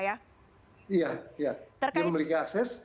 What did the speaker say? iya dia memiliki akses